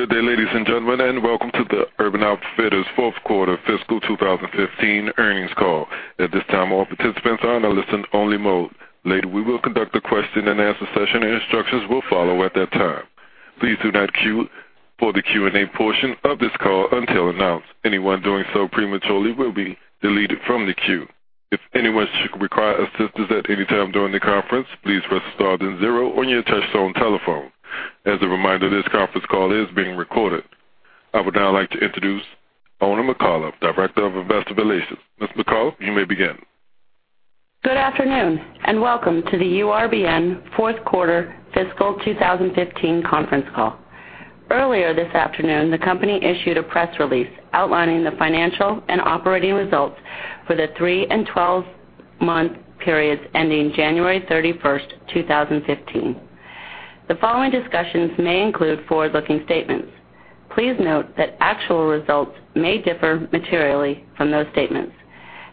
Good day, ladies and gentlemen, welcome to the Urban Outfitters fourth quarter fiscal 2015 earnings call. At this time, all participants are in a listen only mode. Later, we will conduct a question and answer session, and instructions will follow at that time. Please do not queue for the Q&A portion of this call until announced. Anyone doing so prematurely will be deleted from the queue. If anyone should require assistance at any time during the conference, please press star then zero on your touchtone telephone. As a reminder, this conference call is being recorded. I would now like to introduce Oona McCullough, Director of Investor Relations. Ms. McCullough, you may begin. Good afternoon, welcome to the URBN fourth quarter fiscal 2015 conference call. Earlier this afternoon, the company issued a press release outlining the financial and operating results for the three and 12-month periods ending January 31st, 2015. The following discussions may include forward-looking statements. Please note that actual results may differ materially from those statements.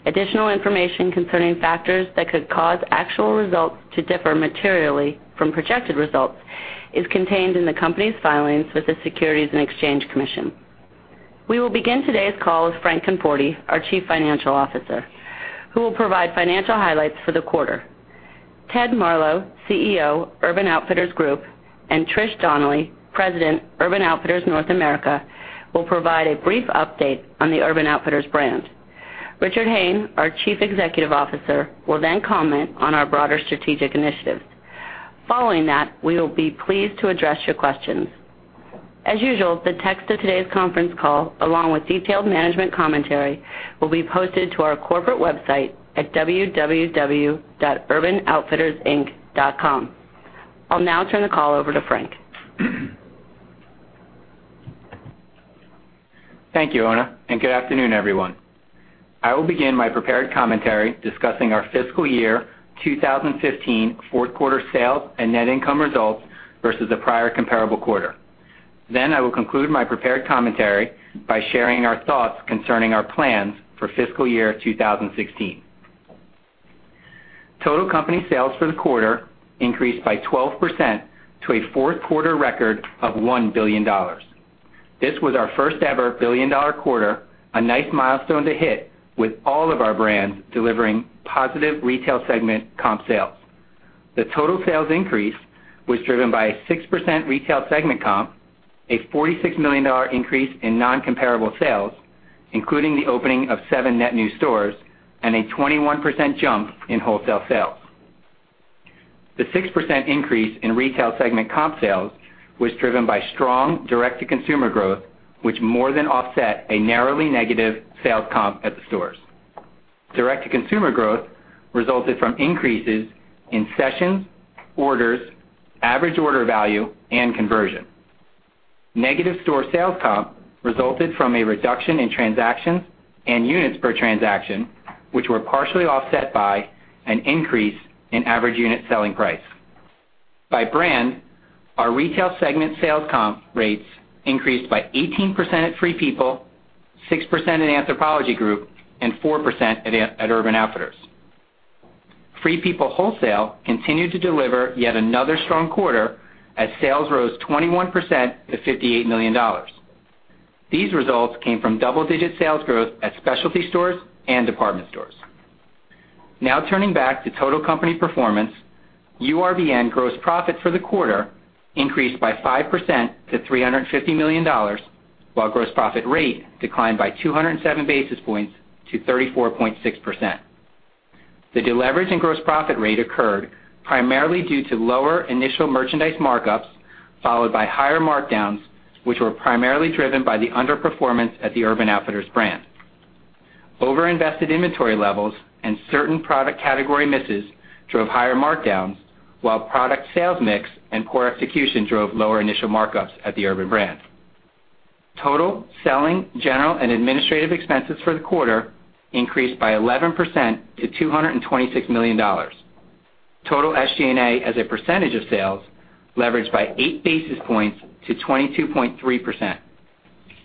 Additional information concerning factors that could cause actual results to differ materially from projected results is contained in the company's filings with the Securities and Exchange Commission. We will begin today's call with Frank Conforti, our Chief Financial Officer, who will provide financial highlights for the quarter. Ted Marlow, CEO, Urban Outfitters Group, and Trish Donnelly, President, Urban Outfitters North America, will provide a brief update on the Urban Outfitters brand. Richard Hayne, our Chief Executive Officer, will then comment on our broader strategic initiatives. Following that, we will be pleased to address your questions. As usual, the text of today's conference call, along with detailed management commentary, will be posted to our corporate website at www.urbanoutfittersinc.com. I'll now turn the call over to Frank. Thank you, Oona, and good afternoon, everyone. I will begin my prepared commentary discussing our fiscal year 2015 fourth quarter sales and net income results versus the prior comparable quarter. I will conclude my prepared commentary by sharing our thoughts concerning our plans for fiscal year 2016. Total company sales for the quarter increased by 12% to a fourth quarter record of $1 billion. This was our first ever billion-dollar quarter, a nice milestone to hit with all of our brands delivering positive retail segment comp sales. The total sales increase was driven by a 6% retail segment comp, a $46 million increase in non-comparable sales, including the opening of seven net new stores, and a 21% jump in wholesale sales. The 6% increase in retail segment comp sales was driven by strong direct-to-consumer growth, which more than offset a narrowly negative sales comp at the stores. Direct-to-consumer growth resulted from increases in sessions, orders, average order value, and conversion. Negative store sales comp resulted from a reduction in transactions and units per transaction, which were partially offset by an increase in average unit selling price. By brand, our retail segment sales comp rates increased by 18% at Free People, 6% at Anthropologie Group, and 4% at Urban Outfitters. Free People wholesale continued to deliver yet another strong quarter as sales rose 21% to $58 million. These results came from double-digit sales growth at specialty stores and department stores. Now turning back to total company performance, URBN gross profit for the quarter increased by 5% to $350 million, while gross profit rate declined by 207 basis points to 34.6%. The deleverage in gross profit rate occurred primarily due to lower initial merchandise markups, followed by higher markdowns, which were primarily driven by the underperformance at the Urban Outfitters brand. Over-invested inventory levels and certain product category misses drove higher markdowns, while product sales mix and poor execution drove lower initial markups at the Urban brand. Total selling, general, and administrative expenses for the quarter increased by 11% to $226 million. Total SG&A as a percentage of sales leveraged by eight basis points to 22.3%.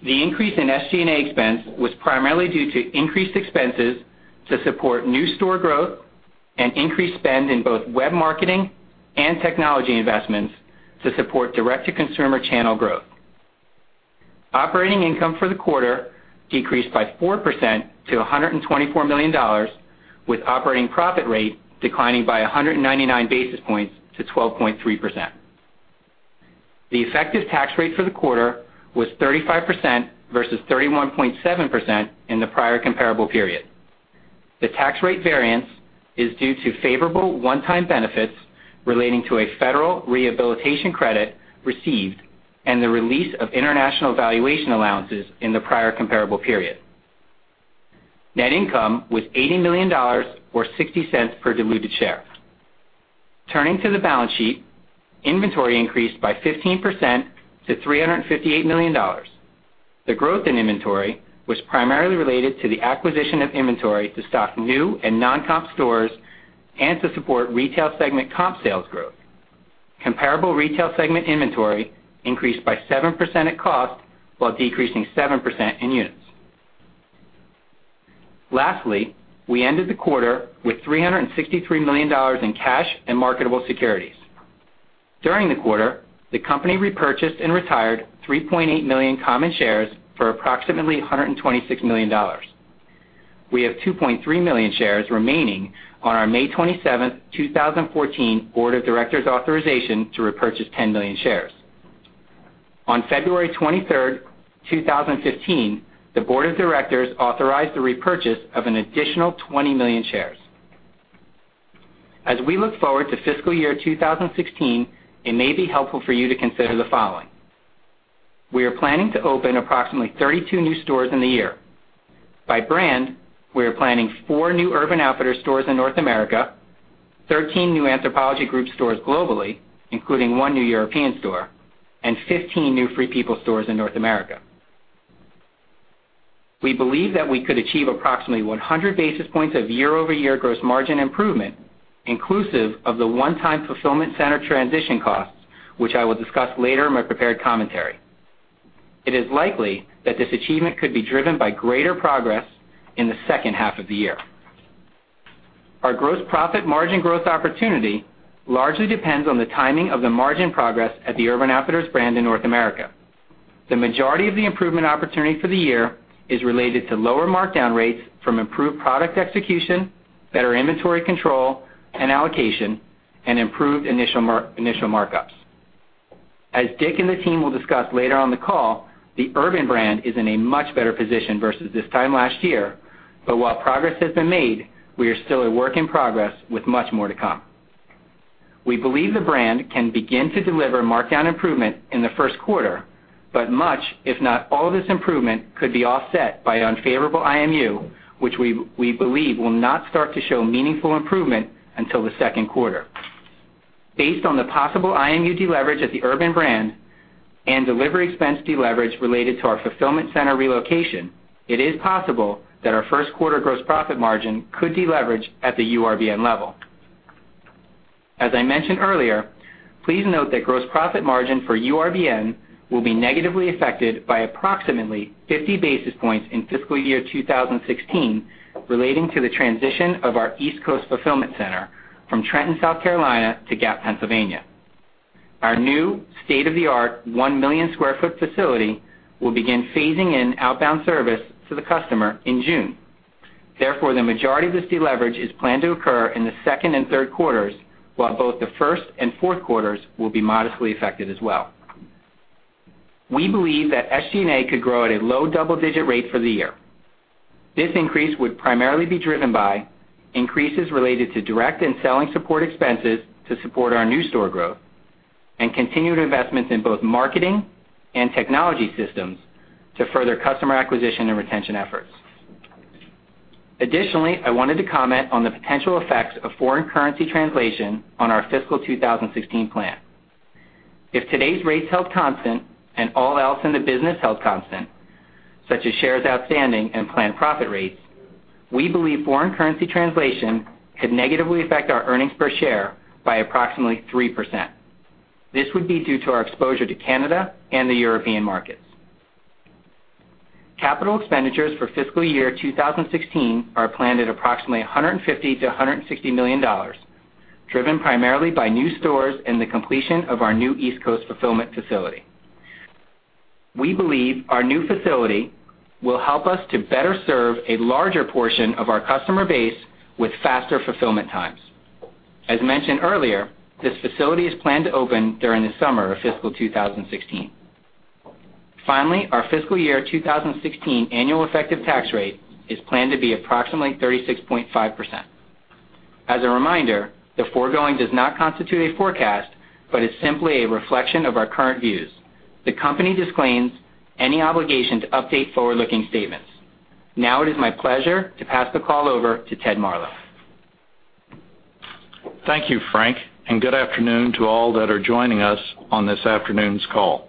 The increase in SG&A expense was primarily due to increased expenses to support new store growth and increased spend in both web marketing and technology investments to support direct-to-consumer channel growth. Operating income for the quarter decreased by 4% to $124 million, with operating profit rate declining by 199 basis points to 12.3%. The effective tax rate for the quarter was 35% versus 31.7% in the prior comparable period. The tax rate variance is due to favorable one-time benefits relating to a federal rehabilitation credit received and the release of international valuation allowances in the prior comparable period. Net income was $80 million or $0.60 per diluted share. Turning to the balance sheet. Inventory increased by 15% to $358 million. The growth in inventory was primarily related to the acquisition of inventory to stock new and non-comp stores and to support retail segment comp sales growth. Comparable retail segment inventory increased by 7% at cost while decreasing 7% in units. Lastly, we ended the quarter with $363 million in cash and marketable securities. During the quarter, the company repurchased and retired 3.8 million common shares for approximately $126 million. We have 2.3 million shares remaining on our May 27, 2014, Board of Directors' authorization to repurchase 10 million shares. On February 23, 2015, the Board of Directors authorized the repurchase of an additional 20 million shares. As we look forward to fiscal year 2016, it may be helpful for you to consider the following. We are planning to open approximately 32 new stores in the year. By brand, we are planning four new Urban Outfitters stores in North America, 13 new Anthropologie Group stores globally, including one new European store, and 15 new Free People stores in North America. We believe that we could achieve approximately 100 basis points of year-over-year gross margin improvement, inclusive of the one-time fulfillment center transition costs, which I will discuss later in my prepared commentary. It is likely that this achievement could be driven by greater progress in the second half of the year. Our gross profit margin growth opportunity largely depends on the timing of the margin progress at the Urban Outfitters North America. The majority of the improvement opportunity for the year is related to lower markdown rates from improved product execution, better inventory control and allocation, and improved initial markups. As Dick and the team will discuss later on the call, the Urban is in a much better position versus this time last year, but while progress has been made, we are still a work in progress with much more to come. We believe the brand can begin to deliver markdown improvement in the first quarter, but much, if not all of this improvement, could be offset by unfavorable IMU, which we believe will not start to show meaningful improvement until the second quarter. Based on the possible IMU deleverage at the Urban and delivery expense deleverage related to our fulfillment center relocation, it is possible that our first quarter gross profit margin could deleverage at the URBN. As I mentioned earlier, please note that gross profit margin for URBN will be negatively affected by approximately 50 basis points in fiscal year 2016 relating to the transition of our East Coast fulfillment center from Trenton, South Carolina to Gap, Pennsylvania. Our new state-of-the-art, 1 million sq ft facility will begin phasing in outbound service to the customer in June. Therefore, the majority of this deleverage is planned to occur in the second and third quarters, while both the first and fourth quarters will be modestly affected as well. We believe that SG&A could grow at a low double-digit rate for the year. This increase would primarily be driven by increases related to direct and selling support expenses to support our new store growth and continued investments in both marketing and technology systems to further customer acquisition and retention efforts. Additionally, I wanted to comment on the potential effects of foreign currency translation on our fiscal 2016 plan. If today's rates held constant and all else in the business held constant, such as shares outstanding and planned profit rates, we believe foreign currency translation could negatively affect our earnings per share by approximately 3%. This would be due to our exposure to Canada and the European markets. Capital expenditures for fiscal year 2016 are planned at approximately $150 million-$160 million, driven primarily by new stores and the completion of our new East Coast fulfillment facility. We believe our new facility will help us to better serve a larger portion of our customer base with faster fulfillment times. As mentioned earlier, this facility is planned to open during the summer of fiscal 2016. Finally, our fiscal year 2016 annual effective tax rate is planned to be approximately 36.5%. As a reminder, the foregoing does not constitute a forecast, but is simply a reflection of our current views. The company disclaims any obligation to update forward-looking statements. Now it is my pleasure to pass the call over to Ted Marlow. Thank you, Frank. Good afternoon to all that are joining us on this afternoon's call.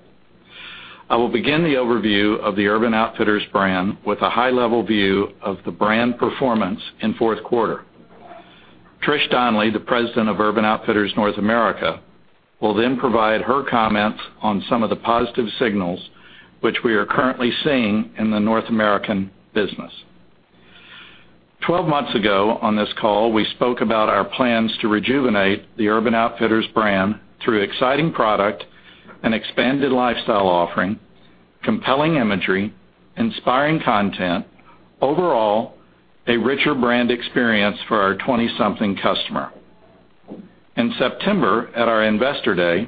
I will begin the overview of the Urban Outfitters brand with a high-level view of the brand performance in fourth quarter. Trish Donnelly, the President of Urban Outfitters North America, will then provide her comments on some of the positive signals which we are currently seeing in the North American business. 12 months ago on this call, we spoke about our plans to rejuvenate the Urban Outfitters brand through exciting product, an expanded lifestyle offering, compelling imagery, inspiring content, overall, a richer brand experience for our 20-something customer. In September, at our Investor Day,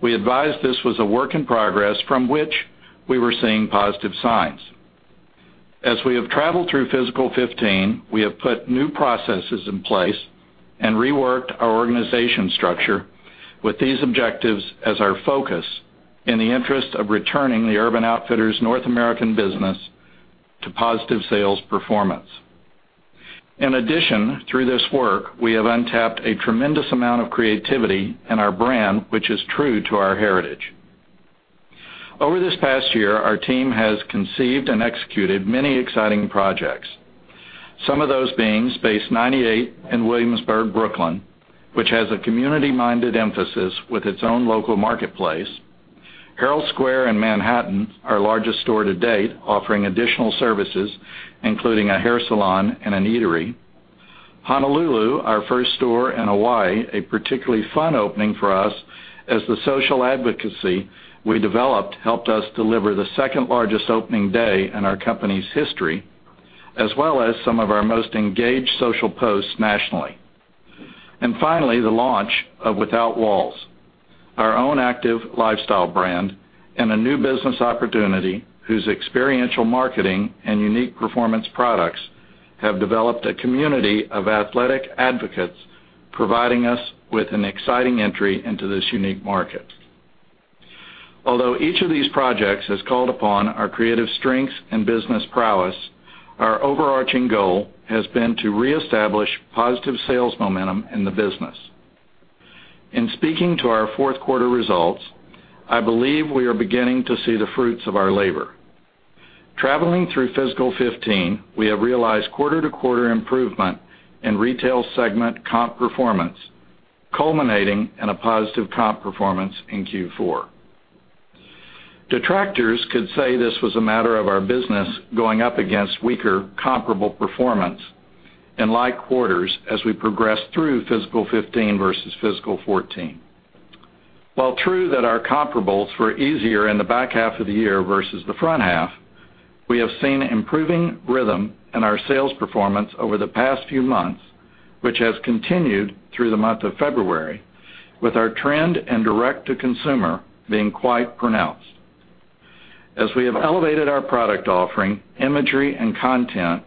we advised this was a work in progress from which we were seeing positive signs. As we have traveled through fiscal 2015, we have put new processes in place and reworked our organization structure with these objectives as our focus in the interest of returning the Urban Outfitters North American business to positive sales performance. In addition, through this work, we have untapped a tremendous amount of creativity in our brand, which is true to our heritage. Over this past year, our team has conceived and executed many exciting projects. Some of those being Space 98 in Williamsburg, Brooklyn, which has a community-minded emphasis with its own local marketplace. Herald Square in Manhattan, our largest store to date, offering additional services including a hair salon and an eatery. Honolulu, our first store in Hawaii, a particularly fun opening for us as the social advocacy we developed helped us deliver the second-largest opening day in our company's history, as well as some of our most engaged social posts nationally. Finally, the launch of Without Walls, our own active lifestyle brand and a new business opportunity whose experiential marketing and unique performance products have developed a community of athletic advocates, providing us with an exciting entry into this unique market. Although each of these projects has called upon our creative strengths and business prowess, our overarching goal has been to reestablish positive sales momentum in the business. In speaking to our fourth quarter results, I believe we are beginning to see the fruits of our labor. Traveling through fiscal 2015, we have realized quarter-to-quarter improvement in retail segment comp performance, culminating in a positive comp performance in Q4. Detractors could say this was a matter of our business going up against weaker comparable performance in like quarters as we progressed through fiscal 2015 versus fiscal 2014. While true that our comparables were easier in the back half of the year versus the front half, we have seen improving rhythm in our sales performance over the past few months, which has continued through the month of February, with our trend in direct to consumer being quite pronounced. As we have elevated our product offering, imagery, and content,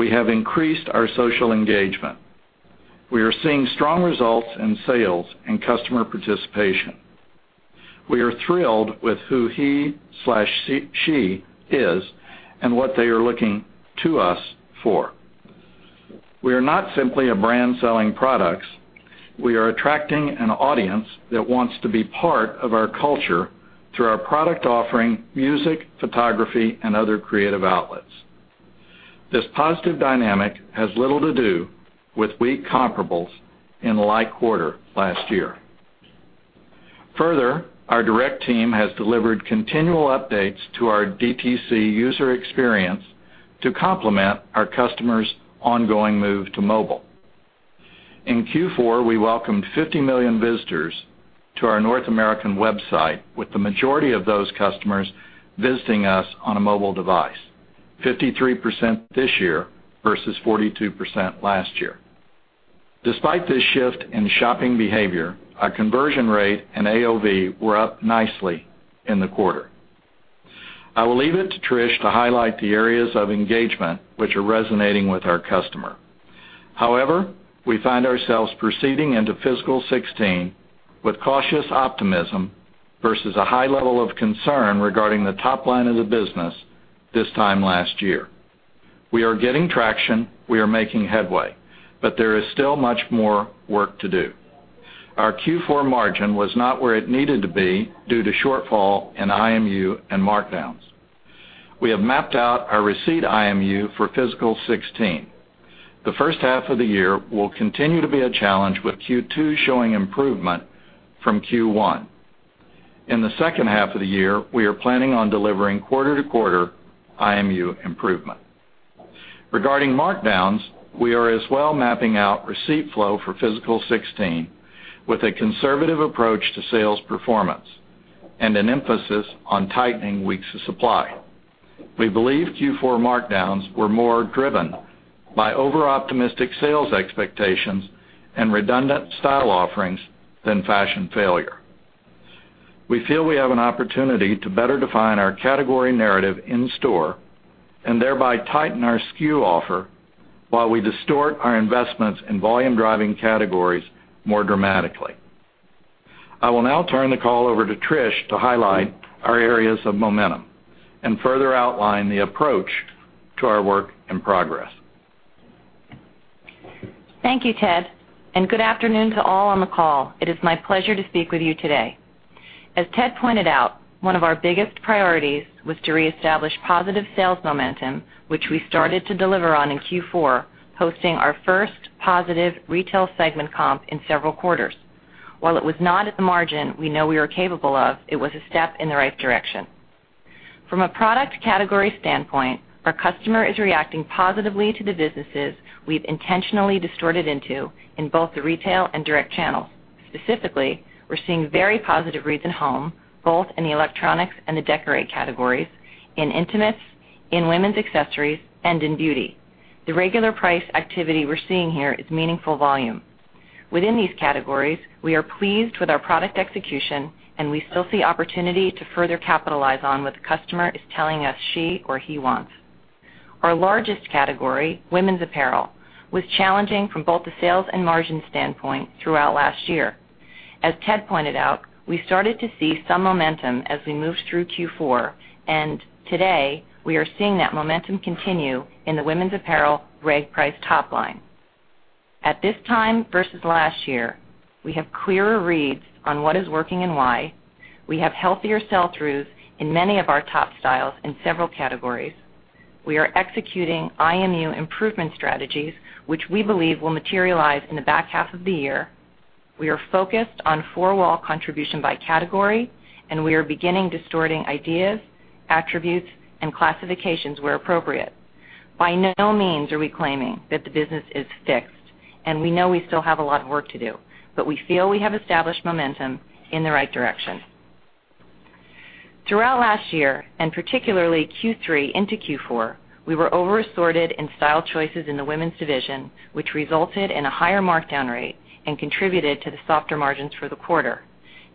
we have increased our social engagement. We are seeing strong results in sales and customer participation. We are thrilled with who he/she is and what they are looking to us for. We are not simply a brand selling products. We are attracting an audience that wants to be part of our culture through our product offering, music, photography, and other creative outlets. This positive dynamic has little to do with weak comparables in the like quarter last year. Our direct team has delivered continual updates to our DTC user experience to complement our customers' ongoing move to mobile. In Q4, we welcomed $50 million visitors to our North American website, with the majority of those customers visiting us on a mobile device, 53% this year versus 42% last year. Despite this shift in shopping behavior, our conversion rate and AOV were up nicely in the quarter. I will leave it to Trish to highlight the areas of engagement which are resonating with our customer. We find ourselves proceeding into fiscal 2016 with cautious optimism versus a high level of concern regarding the top line of the business this time last year. We are getting traction. We are making headway, there is still much more work to do. Our Q4 margin was not where it needed to be due to shortfall in IMU and markdowns. We have mapped out our receipt IMU for fiscal 2016. The first half of the year will continue to be a challenge, with Q2 showing improvement from Q1. In the second half of the year, we are planning on delivering quarter-to-quarter IMU improvement. Regarding markdowns, we are as well mapping out receipt flow for fiscal 2016 with a conservative approach to sales performance and an emphasis on tightening weeks of supply. We believe Q4 markdowns were more driven by over-optimistic sales expectations and redundant style offerings than fashion failure. We feel we have an opportunity to better define our category narrative in store and thereby tighten our SKU offer while we distort our investments in volume-driving categories more dramatically. I will now turn the call over to Trish to highlight our areas of momentum and further outline the approach to our work in progress. Thank you, Ted, good afternoon to all on the call. It is my pleasure to speak with you today. As Ted pointed out, one of our biggest priorities was to reestablish positive sales momentum, which we started to deliver on in Q4, hosting our first positive retail segment comp in several quarters. While it was not at the margin we know we are capable of, it was a step in the right direction. From a product category standpoint, our customer is reacting positively to the businesses we've intentionally distorted into in both the retail and direct channels. Specifically, we're seeing very positive reads in home, both in the electronics and the decor categories, in intimates, in women's accessories, and in beauty. The regular price activity we're seeing here is meaningful volume. Within these categories, we are pleased with our product execution. We still see opportunity to further capitalize on what the customer is telling us she or he wants. Our largest category, women's apparel, was challenging from both the sales and margin standpoint throughout last year. As Ted pointed out, we started to see some momentum as we moved through Q4. Today we are seeing that momentum continue in the women's apparel reg price top line. At this time versus last year, we have clearer reads on what is working and why. We have healthier sell-throughs in many of our top styles in several categories. We are executing IMU improvement strategies, which we believe will materialize in the back half of the year. We are focused on four-wall contribution by category. We are beginning to sort ideas, attributes, and classifications where appropriate. By no means are we claiming that the business is fixed. We know we still have a lot of work to do, but we feel we have established momentum in the right direction. Throughout last year, particularly Q3 into Q4, we were over-assorted in style choices in the women's division, which resulted in a higher markdown rate and contributed to the softer margins for the quarter.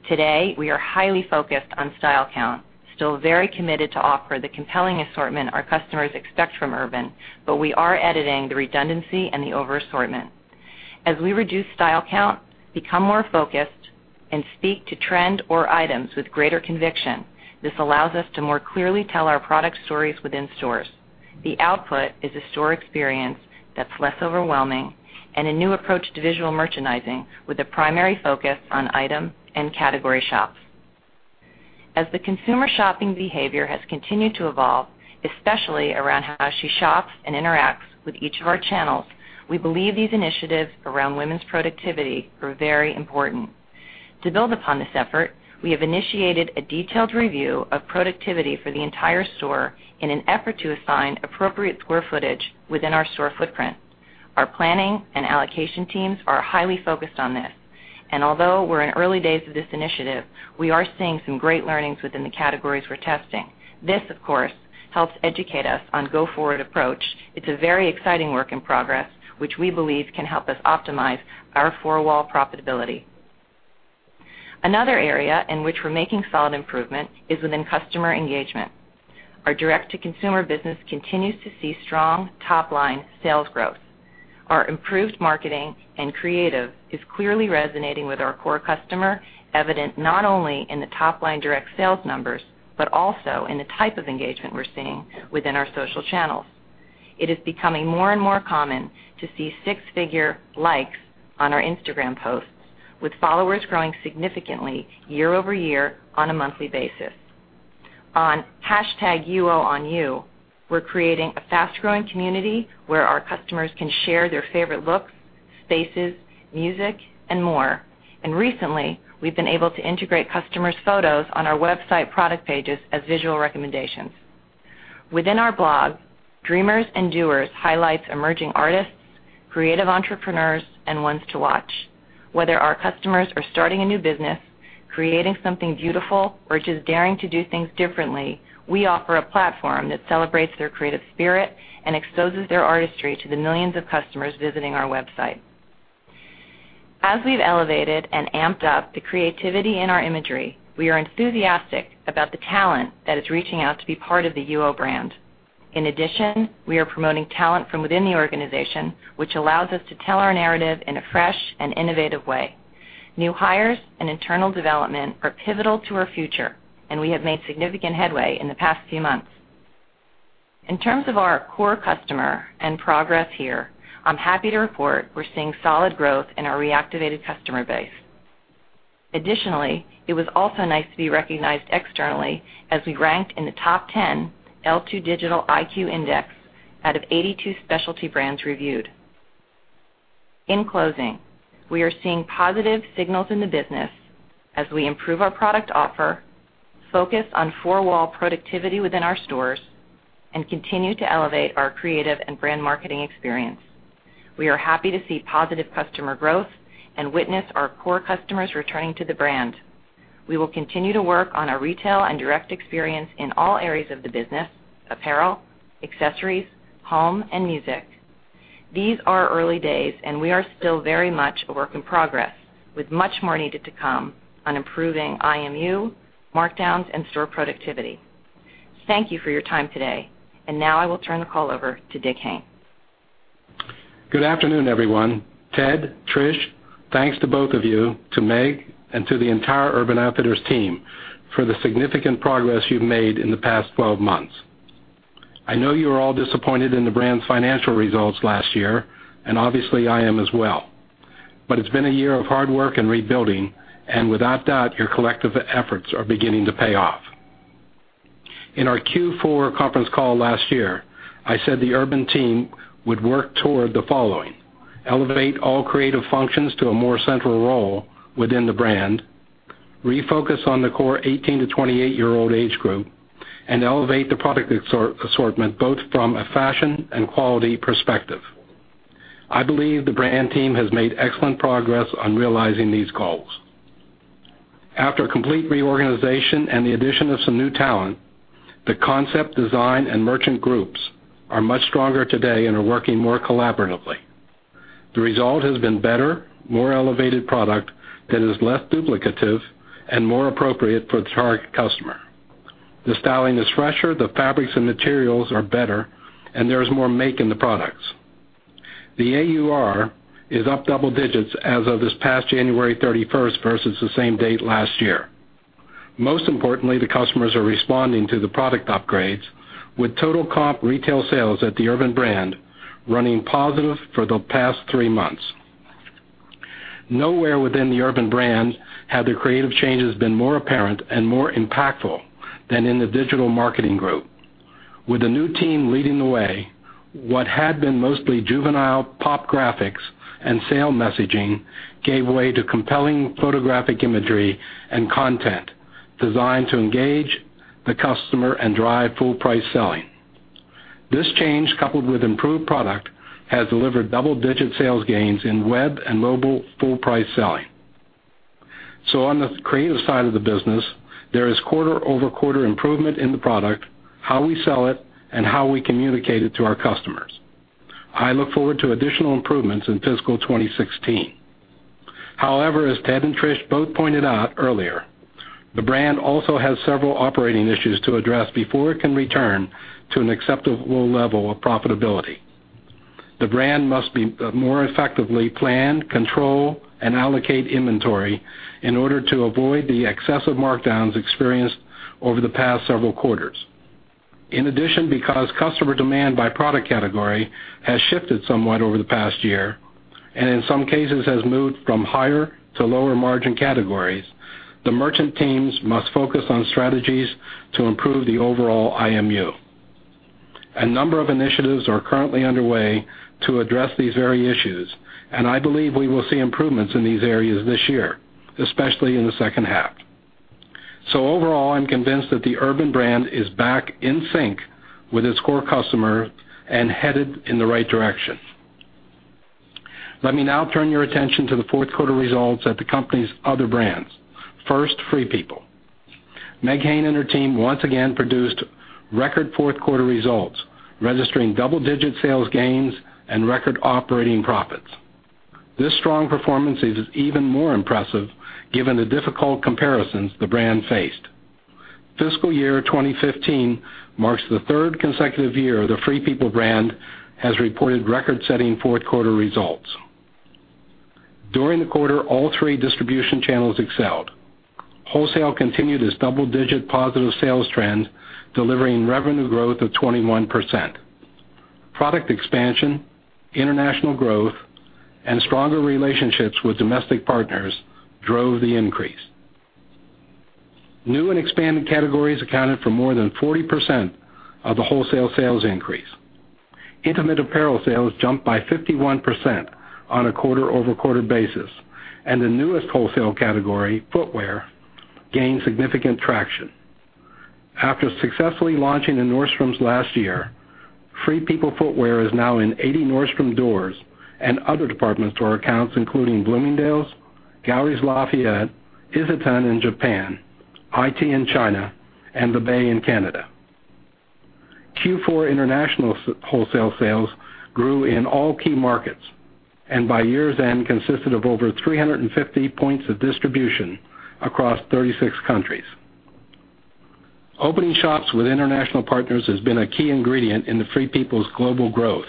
Today, we are highly focused on style count, still very committed to offer the compelling assortment our customers expect from Urban. We are editing the redundancy and the over-assortment. As we reduce style count, become more focused, speak to trend or items with greater conviction, this allows us to more clearly tell our product stories within stores. The output is a store experience that's less overwhelming and a new approach to visual merchandising, with a primary focus on item and category shops. As the consumer shopping behavior has continued to evolve, especially around how she shops and interacts with each of our channels, we believe these initiatives around women's productivity are very important. To build upon this effort, we have initiated a detailed review of productivity for the entire store in an effort to assign appropriate square footage within our store footprint. Our planning and allocation teams are highly focused on this. Although we're in early days of this initiative, we are seeing some great learnings within the categories we're testing. This, of course, helps educate us on go-forward approach. It's a very exciting work in progress, which we believe can help us optimize our four-wall profitability. Another area in which we're making solid improvement is within customer engagement. Our direct-to-consumer business continues to see strong top-line sales growth. Our improved marketing and creative is clearly resonating with our core customer, evident not only in the top-line direct sales numbers, but also in the type of engagement we're seeing within our social channels. It is becoming more and more common to see six-figure likes on our Instagram posts, with followers growing significantly year-over-year on a monthly basis. On #UOOnYou, we're creating a fast-growing community where our customers can share their favorite looks, spaces, music, and more. Recently, we've been able to integrate customers' photos on our website product pages as visual recommendations. Within our blog, Dreamers and Doers highlights emerging artists, creative entrepreneurs, and ones to watch. Whether our customers are starting a new business, creating something beautiful, or just daring to do things differently, we offer a platform that celebrates their creative spirit and exposes their artistry to the millions of customers visiting our website. As we've elevated and amped up the creativity in our imagery, we are enthusiastic about the talent that is reaching out to be part of the UO brand. In addition, we are promoting talent from within the organization, which allows us to tell our narrative in a fresh and innovative way. New hires and internal development are pivotal to our future, and we have made significant headway in the past few months. In terms of our core customer and progress here, I'm happy to report we're seeing solid growth in our reactivated customer base. It was also nice to be recognized externally as we ranked in the top 10 L2 Digital IQ Index out of 82 specialty brands reviewed. In closing, we are seeing positive signals in the business as we improve our product offer, focus on four-wall productivity within our stores, and continue to elevate our creative and brand marketing experience. We are happy to see positive customer growth and witness our core customers returning to the brand. We will continue to work on our retail and direct experience in all areas of the business: apparel, accessories, home, and music. These are early days, and we are still very much a work in progress, with much more needed to come on improving IMU, markdowns, and store productivity. Thank you for your time today. I will turn the call over to Dick Hayne. Good afternoon, everyone. Ted, Trish, thanks to both of you, to Meg, and to the entire Urban Outfitters team for the significant progress you've made in the past 12 months. I know you are all disappointed in the brand's financial results last year, obviously, I am as well. It's been a year of hard work and rebuilding, without doubt, your collective efforts are beginning to pay off. In our Q4 conference call last year, I said the Urban team would work toward the following: elevate all creative functions to a more central role within the brand, refocus on the core 18 to 28-year-old age group, elevate the product assortment, both from a fashion and quality perspective. I believe the brand team has made excellent progress on realizing these goals. After a complete reorganization, the addition of some new talent, the concept design and merchant groups are much stronger today, are working more collaboratively. The result has been better, more elevated product that is less duplicative and more appropriate for the target customer. The styling is fresher, the fabrics and materials are better, there is more make in the products. The AUR is up double digits as of this past January 31st versus the same date last year. Most importantly, the customers are responding to the product upgrades, with total comp retail sales at the Urban brand running positive for the past three months. Nowhere within the Urban brand have the creative changes been more apparent and more impactful than in the digital marketing group. With the new team leading the way, what had been mostly juvenile pop graphics and sale messaging gave way to compelling photographic imagery and content designed to engage the customer and drive full-price selling. This change, coupled with improved product, has delivered double-digit sales gains in web and mobile full-price selling. On the creative side of the business, there is quarter-over-quarter improvement in the product, how we sell it, and how we communicate it to our customers. I look forward to additional improvements in fiscal 2016. However, as Ted and Trish both pointed out earlier, the brand also has several operating issues to address before it can return to an acceptable level of profitability. The brand must be more effectively plan, control, and allocate inventory in order to avoid the excessive markdowns experienced over the past several quarters. In addition, because customer demand by product category has shifted somewhat over the past year, and in some cases has moved from higher to lower margin categories, the merchant teams must focus on strategies to improve the overall IMU. A number of initiatives are currently underway to address these very issues, and I believe we will see improvements in these areas this year, especially in the second half. Overall, I'm convinced that the Urban brand is back in sync with its core customer and headed in the right direction. Let me now turn your attention to the fourth quarter results at the company's other brands. First, Free People. Meg Hayne and her team once again produced record fourth-quarter results, registering double-digit sales gains and record operating profits. This strong performance is even more impressive given the difficult comparisons the brand faced. Fiscal year 2015 marks the third consecutive year the Free People brand has reported record-setting fourth-quarter results. During the quarter, all three distribution channels excelled. Wholesale continued its double-digit positive sales trend, delivering revenue growth of 21%. Product expansion, international growth, and stronger relationships with domestic partners drove the increase. New and expanded categories accounted for more than 40% of the wholesale sales increase. Intimate apparel sales jumped by 51% on a quarter-over-quarter basis, and the newest wholesale category, footwear, gained significant traction. After successfully launching in Nordstrom last year, Free People footwear is now in 80 Nordstrom doors and other department store accounts, including Bloomingdale's, Galeries Lafayette, Isetan in Japan, IT in China, and The Bay in Canada. Q4 international wholesale sales grew in all key markets, and by year's end, consisted of over 350 points of distribution across 36 countries. Opening shops with international partners has been a key ingredient in the Free People's global growth,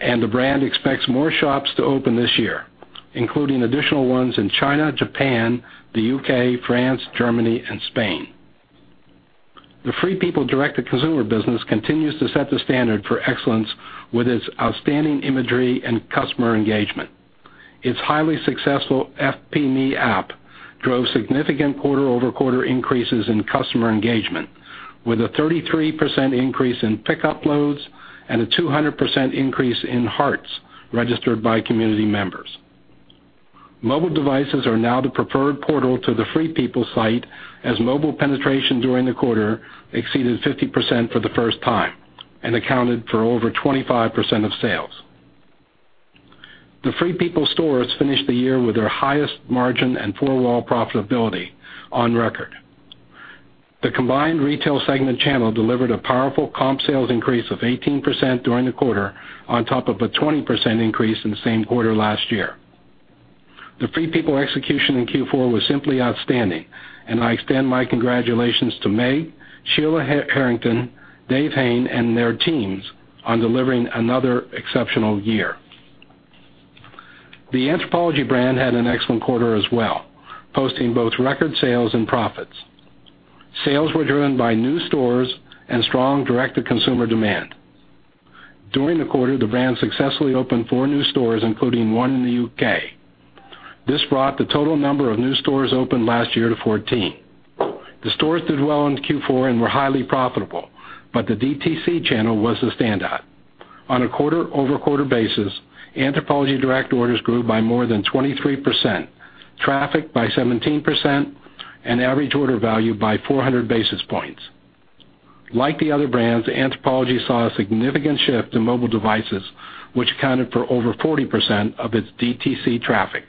the brand expects more shops to open this year, including additional ones in China, Japan, the U.K., France, Germany, and Spain. The Free People direct-to-consumer business continues to set the standard for excellence with its outstanding imagery and customer engagement. Its highly successful FP Me app drove significant quarter-over-quarter increases in customer engagement, with a 33% increase in pic uploads and a 200% increase in hearts registered by community members. Mobile devices are now the preferred portal to the Free People site, as mobile penetration during the quarter exceeded 50% for the first time and accounted for over 25% of sales. The Free People stores finished the year with their highest margin and four-wall profitability on record. The combined retail segment channel delivered a powerful comp sales increase of 18% during the quarter on top of a 20% increase in the same quarter last year. The Free People execution in Q4 was simply outstanding, and I extend my congratulations to Meg, Sheila Harrington, David Hayne, and their teams on delivering another exceptional year. The Anthropologie brand had an excellent quarter as well, posting both record sales and profits. Sales were driven by new stores and strong direct-to-consumer demand. During the quarter, the brand successfully opened four new stores, including one in the U.K. This brought the total number of new stores opened last year to 14. The stores did well in Q4 and were highly profitable, but the DTC channel was the standout. On a quarter-over-quarter basis, Anthropologie direct orders grew by more than 23%, traffic by 17%, and average order value by 400 basis points. Like the other brands, Anthropologie saw a significant shift to mobile devices, which accounted for over 40% of its DTC traffic.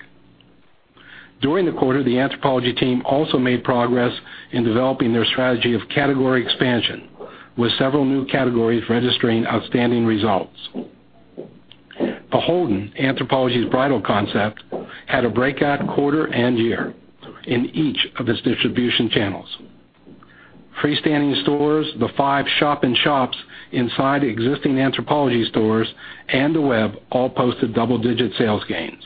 During the quarter, the Anthropologie team also made progress in developing their strategy of category expansion, with several new categories registering outstanding results. BHLDN, Anthropologie's bridal concept, had a breakout quarter and year in each of its distribution channels. Freestanding stores, the five shop in shops inside existing Anthropologie stores, and the web all posted double-digit sales gains.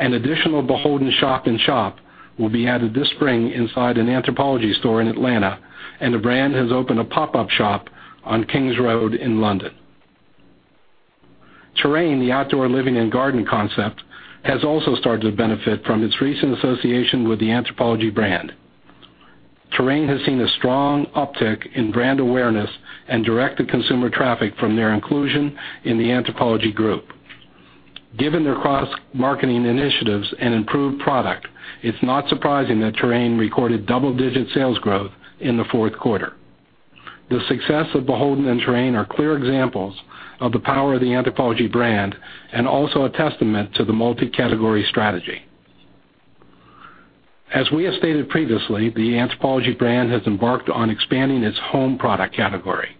An additional BHLDN shop in shop will be added this spring inside an Anthropologie store in Atlanta, and the brand has opened a pop-up shop on Kings Road in London. Terrain, the outdoor living and garden concept, has also started to benefit from its recent association with the Anthropologie brand. Terrain has seen a strong uptick in brand awareness and direct-to-consumer traffic from their inclusion in the Anthropologie Group. Given their cross-marketing initiatives and improved product, it's not surprising that Terrain recorded double-digit sales growth in the fourth quarter. The success of BHLDN and Terrain are clear examples of the power of the Anthropologie brand and also a testament to the multi-category strategy. As we have stated previously, the Anthropologie brand has embarked on expanding its home product category.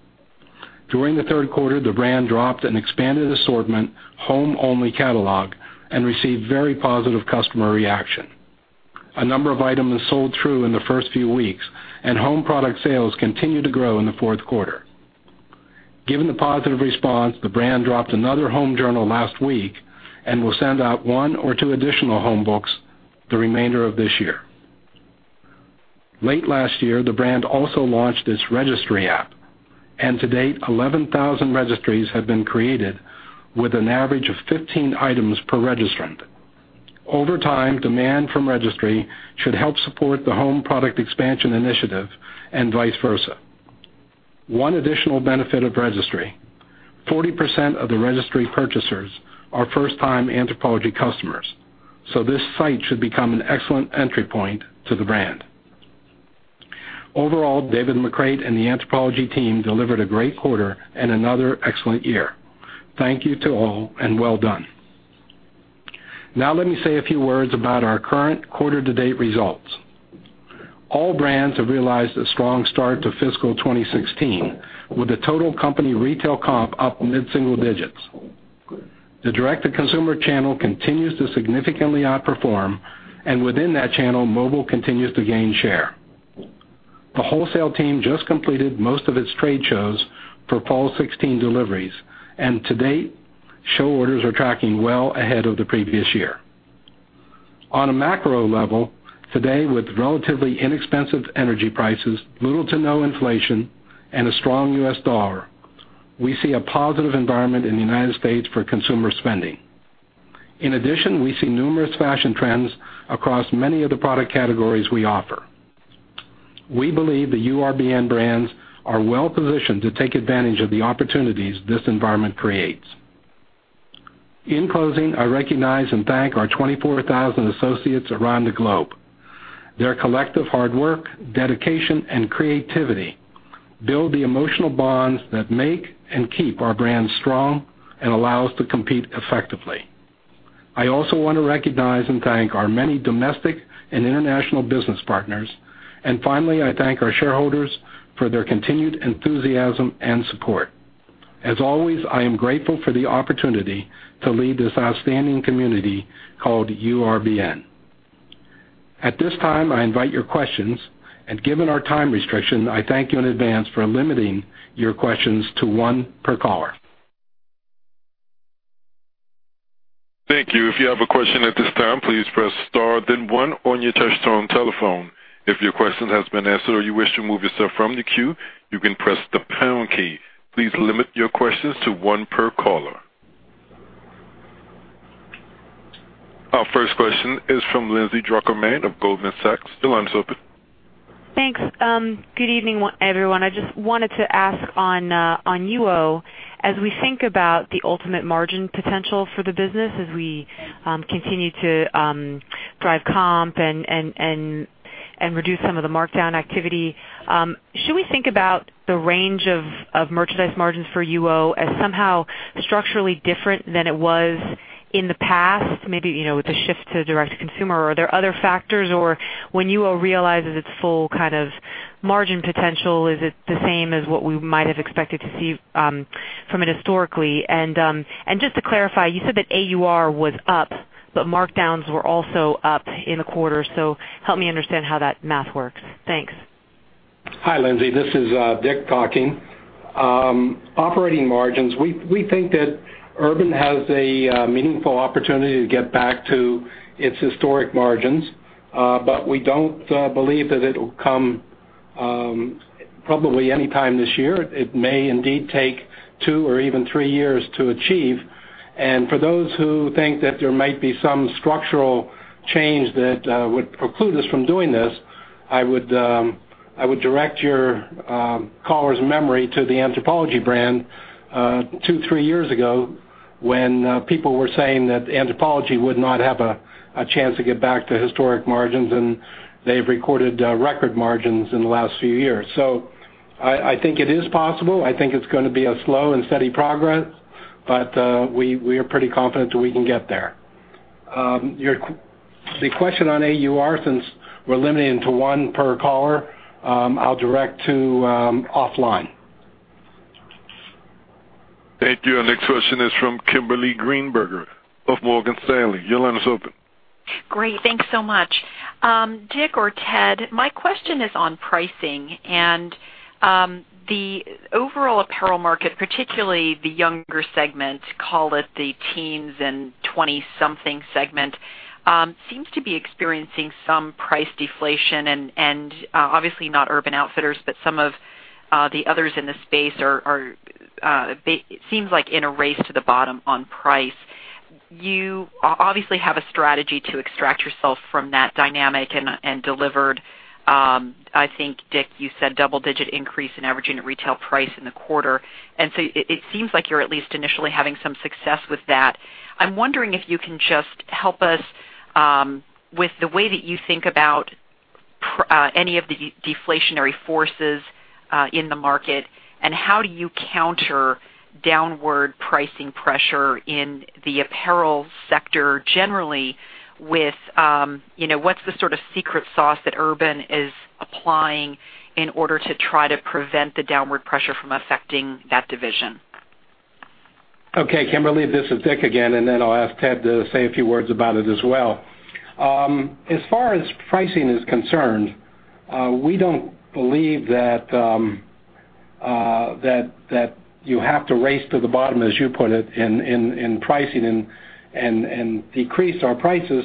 During the third quarter, the brand dropped an expanded assortment home-only catalog and received very positive customer reaction. A number of items sold through in the first few weeks, and home product sales continued to grow in the fourth quarter. Given the positive response, the brand dropped another home journal last week and will send out one or two additional home books the remainder of this year. Late last year, the brand also launched its registry app, and to date, 11,000 registries have been created with an average of 15 items per registrant. Over time, demand from registry should help support the home product expansion initiative and vice versa. One additional benefit of registry, 40% of the registry purchasers are first-time Anthropologie customers, so this site should become an excellent entry point to the brand. Overall, David McCreight and the Anthropologie team delivered a great quarter and another excellent year. Thank you to all, and well done. Now let me say a few words about our current quarter-to-date results. All brands have realized a strong start to fiscal 2016 with the total company retail comp up mid-single digits. The direct-to-consumer channel continues to significantly outperform, and within that channel, mobile continues to gain share. The wholesale team just completed most of its trade shows for fall 2016 deliveries. To date, show orders are tracking well ahead of the previous year. On a macro level, today, with relatively inexpensive energy prices, little to no inflation, and a strong U.S. dollar, we see a positive environment in the United States for consumer spending. In addition, we see numerous fashion trends across many of the product categories we offer. We believe the URBN brands are well-positioned to take advantage of the opportunities this environment creates. In closing, I recognize and thank our 24,000 associates around the globe. Their collective hard work, dedication, and creativity build the emotional bonds that make and keep our brands strong and allow us to compete effectively. I also want to recognize and thank our many domestic and international business partners. Finally, I thank our shareholders for their continued enthusiasm and support. As always, I am grateful for the opportunity to lead this outstanding community called URBN. At this time, I invite your questions, and given our time restriction, I thank you in advance for limiting your questions to one per caller. Thank you. If you have a question at this time, please press star then one on your touch-tone telephone. If your question has been answered or you wish to remove yourself from the queue, you can press the pound key. Please limit your questions to one per caller. Our first question is from Lindsay Drucker Mann of Goldman Sachs. Your line is open. Thanks. Good evening, everyone. I just wanted to ask on UO. As we think about the ultimate margin potential for the business, as we continue to drive comp and reduce some of the markdown activity, should we think about the range of merchandise margins for UO as somehow structurally different than it was in the past, maybe with the shift to direct-to-consumer? Are there other factors, or when UO realizes its full kind of margin potential, is it the same as what we might have expected to see from it historically? And just to clarify, you said that AUR was up, but markdowns were also up in the quarter, so help me understand how that math works. Thanks. Hi, Lindsay. This is Dick talking. Operating margins, we think that Urban has a meaningful opportunity to get back to its historic margins. We don't believe that it'll come probably anytime this year. It may indeed take two or even three years to achieve. For those who think that there might be some structural change that would preclude us from doing this, I would direct your caller's memory to the Anthropologie brand two, three years ago when people were saying that Anthropologie would not have a chance to get back to historic margins, and they've recorded record margins in the last few years. I think it is possible. I think it's going to be a slow and steady progress. We are pretty confident that we can get there. The question on AUR, since we're limiting to one per caller, I'll direct to offline. Thank you. Our next question is from Kimberly Greenberger of Morgan Stanley. Your line is open. Great. Thanks so much. Dick or Ted, my question is on pricing and the overall apparel market, particularly the younger segment, call it the teens and 20-something segment, seems to be experiencing some price deflation and obviously not Urban Outfitters, but some of the others in the space are, it seems like, in a race to the bottom on price. You obviously have a strategy to extract yourself from that dynamic and delivered, I think, Dick, you said double-digit increase in average unit retail price in the quarter. It seems like you're at least initially having some success with that. I'm wondering if you can just help us with the way that you think about any of the deflationary forces in the market, and how do you counter downward pricing pressure in the apparel sector generally? What's the sort of secret sauce that Urban is applying in order to try to prevent the downward pressure from affecting that division? Kimberly, this is Dick again. I'll ask Ted to say a few words about it as well. As far as pricing is concerned, we don't believe that you have to race to the bottom, as you put it, in pricing and decrease our prices.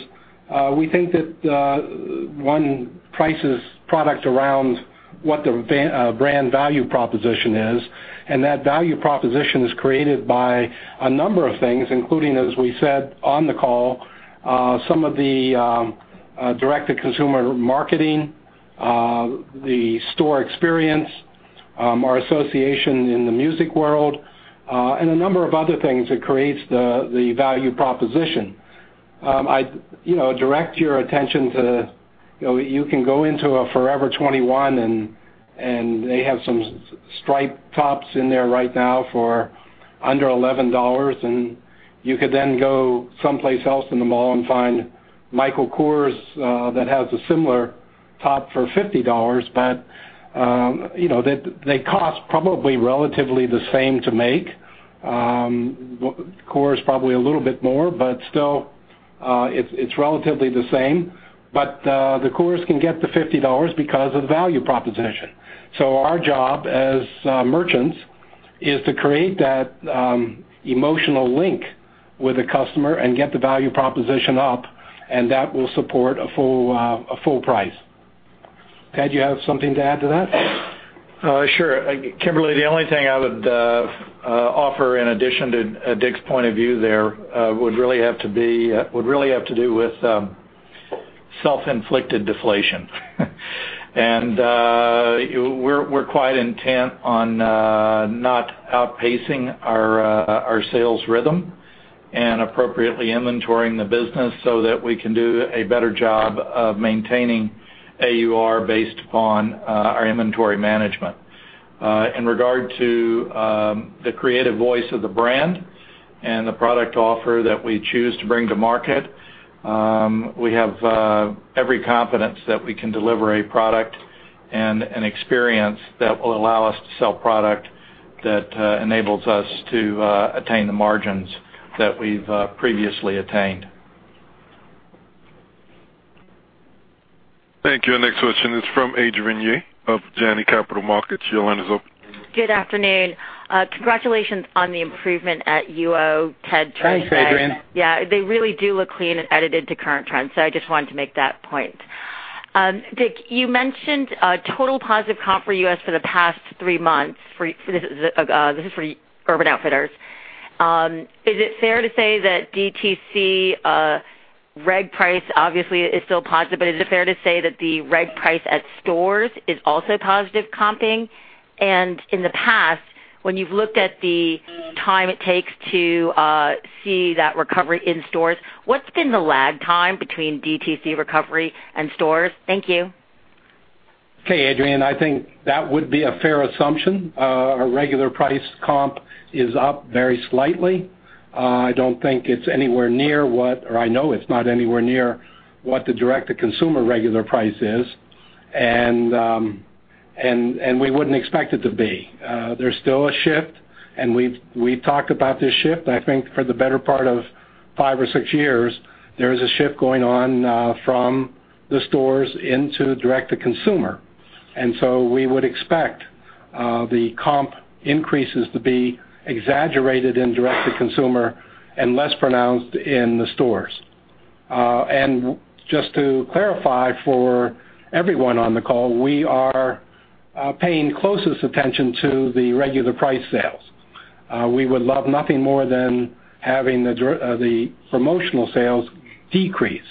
We think that one prices product around what the brand value proposition is, and that value proposition is created by a number of things, including, as we said on the call, some of the direct-to-consumer marketing, the store experience, our association in the music world, and a number of other things that creates the value proposition. I direct your attention to. You can go into a Forever 21 and they have some striped tops in there right now for under $11. You could then go someplace else in the mall and find Michael Kors that has a similar top for $50. They cost probably relatively the same to make. Kors probably a little bit more, but still, it's relatively the same. The Kors can get to $50 because of value proposition. Our job as merchants is to create that emotional link with the customer and get the value proposition up, and that will support a full price. Ted, you have something to add to that? Sure. Kimberly, the only thing I would offer in addition to Dick's point of view there would really have to do with self-inflicted deflation. We're quite intent on not outpacing our sales rhythm and appropriately inventorying the business so that we can do a better job of maintaining AUR based upon our inventory management. In regard to the creative voice of the brand and the product offer that we choose to bring to market, we have every confidence that we can deliver a product and an experience that will allow us to sell product that enables us to attain the margins that we've previously attained. Thank you. Our next question is from Adrienne Yih of Janney Montgomery Scott. Your line is open. Good afternoon. Congratulations on the improvement at UO, Ted- Thanks, Adrienne. Yeah, they really do look clean and edited to current trends. I just wanted to make that point. Dick, you mentioned total positive comp for U.S. for the past three months. This is for Urban Outfitters. Is it fair to say that DTC reg price obviously is still positive, but is it fair to say that the reg price at stores is also positive comping? In the past, when you've looked at the time it takes to see that recovery in stores, what's been the lag time between DTC recovery and stores? Thank you. Okay, Adrienne. I think that would be a fair assumption. Our regular price comp is up very slightly. I don't think it's anywhere near what I know it's not anywhere near what the direct-to-consumer regular price is. We wouldn't expect it to be. There's still a shift, and we've talked about this shift, I think, for the better part of five or six years. There is a shift going on from the stores into direct to consumer. We would expect the comp increases to be exaggerated in direct to consumer and less pronounced in the stores. Just to clarify for everyone on the call, we are paying closest attention to the regular price sales. We would love nothing more than having the promotional sales decrease,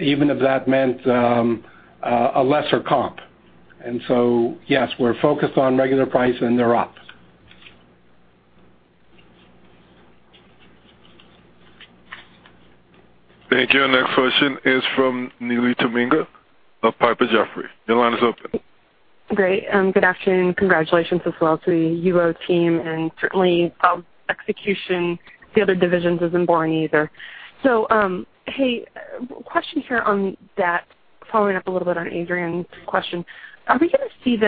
even if that meant a lesser comp. Yes, we're focused on regular price, and they're up. Thank you. Our next question is from Neely Tamminga of Piper Jaffray. Your line is open. Great. Good afternoon. Congratulations as well to the UO team and certainly execution the other divisions isn't boring either. Hey, question here on that, following up a little bit on Adrienne's question. Is it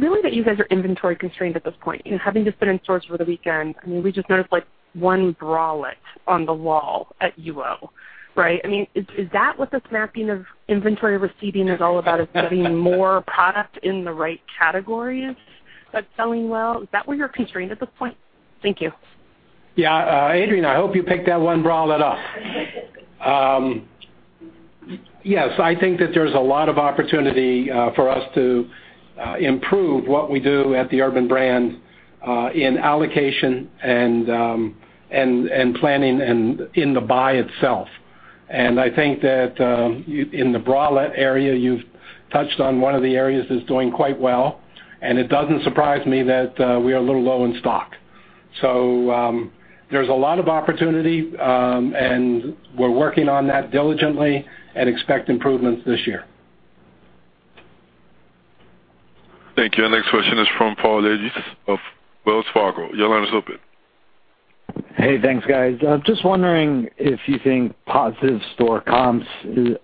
really that you guys are inventory constrained at this point? Having just been in stores over the weekend, we just noticed, like, one bralette on the wall at UO, right? Is that what this mapping of inventory receiving is all about, is getting more product in the right categories that's selling well? Is that where you're constrained at this point? Thank you. Yeah. Adrienne, I hope you picked that one bralette up. Yes, I think that there's a lot of opportunity for us to improve what we do at the Urban brand in allocation and planning in the buy itself. I think that in the bralette area, you've touched on one of the areas that's doing quite well, and it doesn't surprise me that we are a little low in stock. There's a lot of opportunity, and we're working on that diligently and expect improvements this year. Thank you. Our next question is from Paul Lejuez of Wells Fargo. Your line is open. Hey, thanks, guys. Just wondering if you think positive store comps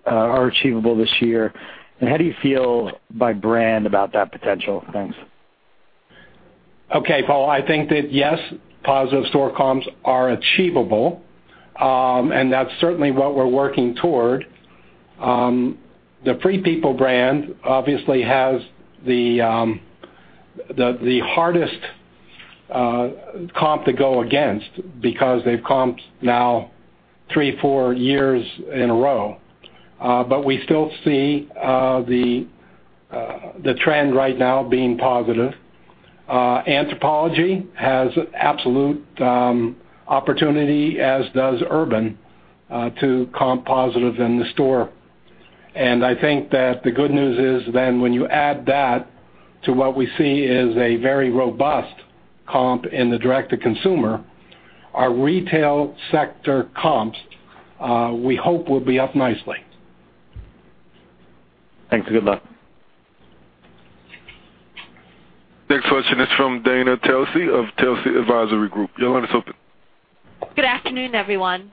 are achievable this year, and how do you feel by brand about that potential? Thanks. Okay. Paul, I think that yes, positive store comps are achievable. That's certainly what we're working toward. The Free People brand obviously has the hardest comp to go against because they've comped now three, four years in a row. We still see the trend right now being positive. Anthropologie has absolute opportunity, as does Urban, to comp positive in the store. I think that the good news is then when you add that to what we see is a very robust comp in the direct-to-consumer, our retail sector comps, we hope will be up nicely. Thanks, and good luck. Next question is from Dana Telsey of Telsey Advisory Group. Your line is open. Good afternoon, everyone.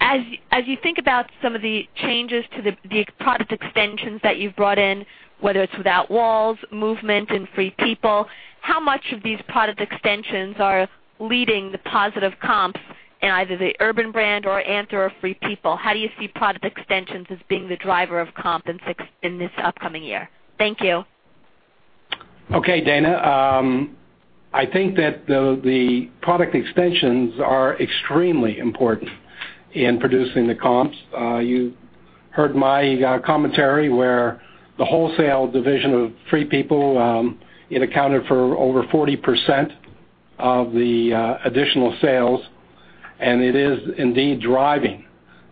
As you think about some of the changes to the product extensions that you've brought in, whether it's Without Walls, Movement, and Free People, how much of these product extensions are leading the positive comps in either the Urban brand or Anthro or Free People? How do you see product extensions as being the driver of comp in this upcoming year? Thank you. Okay. Dana, I think that the product extensions are extremely important in producing the comps. You heard my commentary where the wholesale division of Free People, it accounted for over 40% of the additional sales, and it is indeed driving.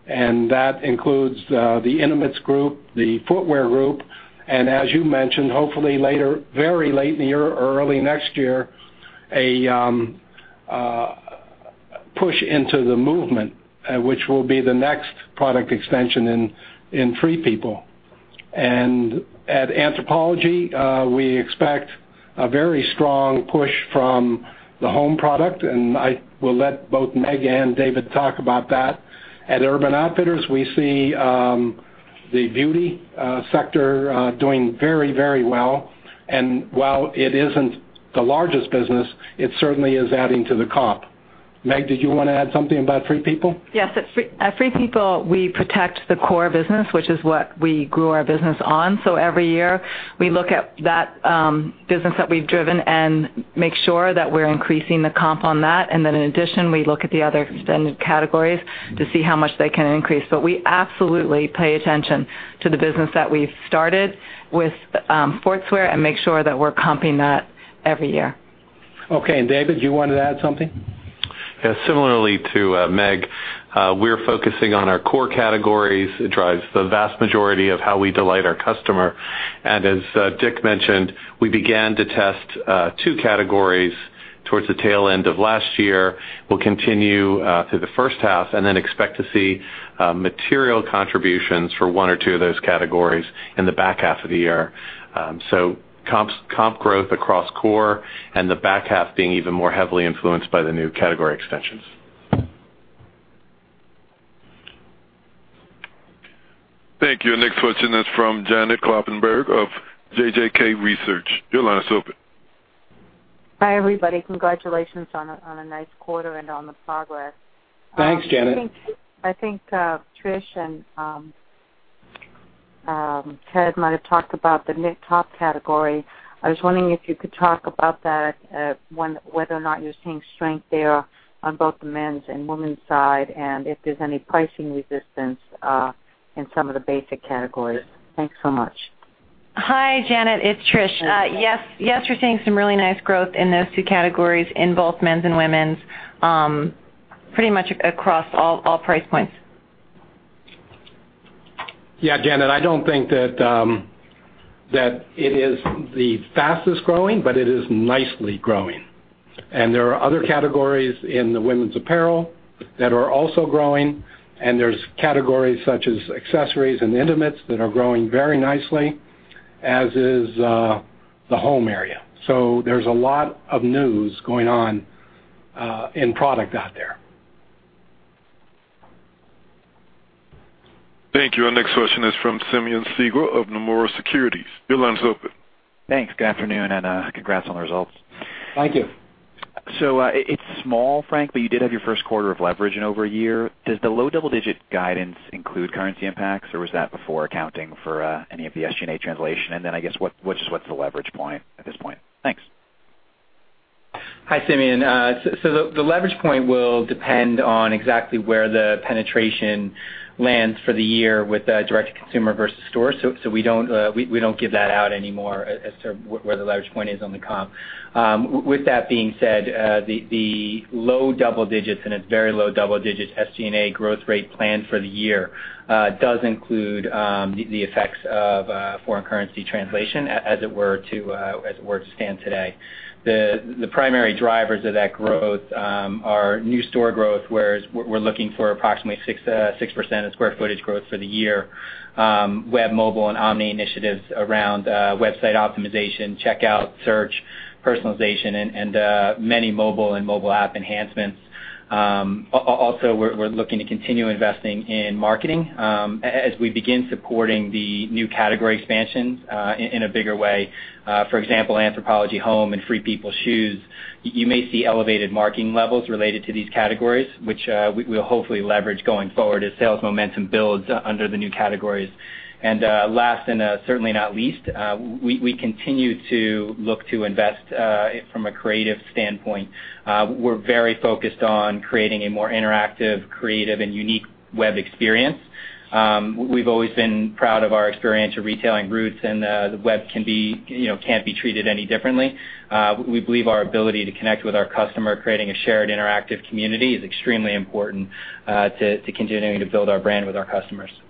That includes the intimates group, the footwear group, and as you mentioned, hopefully very late in the year or early next year, a push into the Movement, which will be the next product extension in Free People. At Anthropologie, we expect a very strong push from the home product, and I will let both Meg and David talk about that. At Urban Outfitters, we see the beauty sector doing very well, and while it isn't the largest business, it certainly is adding to the comp. Meg, did you want to add something about Free People? Yes. At Free People, we protect the core business, which is what we grew our business on. Every year, we look at that business that we've driven and make sure that we're increasing the comp on that. Then in addition, we look at the other extended categories to see how much they can increase. We absolutely pay attention to the business that we've started with sportswear and make sure that we're comping that every year. Okay. David, you wanted to add something? Yeah. Similarly to Meg, we're focusing on our core categories. It drives the vast majority of how we delight our customer. As Dick mentioned, we began to test two categories towards the tail end of last year. We'll continue through the first half and then expect to see material contributions for one or two of those categories in the back half of the year. Comp growth across core and the back half being even more heavily influenced by the new category extensions. Thank you. Our next question is from Janet Kloppenburg of JJK Research. Your line is open. Hi, everybody. Congratulations on a nice quarter and on the progress. Thanks, Janet. I think Trish and Ted might have talked about the knit top category. I was wondering if you could talk about that, whether or not you're seeing strength there on both the men's and women's side, and if there's any pricing resistance in some of the basic categories. Thanks so much. Hi, Janet. It's Trish. Yes, we're seeing some really nice growth in those two categories in both men's and women's, pretty much across all price points. Yeah. Janet, I don't think that it is the fastest growing, but it is nicely growing. There are other categories in the women's apparel that are also growing. There's categories such as accessories and intimates that are growing very nicely, as is the home area. There's a lot of news going on in product out there. Thank you. Our next question is from Simeon Siegel of Nomura Securities. Your line is open. Thanks. Good afternoon, and congrats on the results. Thank you. It's small, Frank, but you did have your first quarter of leverage in over a year. Does the low double-digit guidance include currency impacts, or was that before accounting for any of the SG&A translation? I guess, what's the leverage point at this point? Thanks. Hi, Simeon. The leverage point will depend on exactly where the penetration lands for the year with direct consumer versus store. We don't give that out anymore as to where the leverage point is on the comp. With that being said, the low double digits and its very low double-digit SG&A growth rate plan for the year does include the effects of foreign currency translation as it were to stand today. The primary drivers of that growth are new store growth, where we're looking for approximately 6% of square footage growth for the year. Web, mobile, and omni initiatives around website optimization, checkout, search, personalization, and many mobile and mobile app enhancements. We're looking to continue investing in marketing as we begin supporting the new category expansions in a bigger way. For example, Anthropologie Home and Free People Shoes. You may see elevated marketing levels related to these categories, which we'll hopefully leverage going forward as sales momentum builds under the new categories. Last and certainly not least, we continue to look to invest from a creative standpoint. We're very focused on creating a more interactive, creative, and unique web experience. We've always been proud of our experience or retailing roots, and the web can't be treated any differently. We believe our ability to connect with our customer, creating a shared interactive community is extremely important to continuing to build our brand with our customers. Thank you.